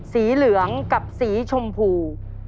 สีเหลืองกับสีชมพู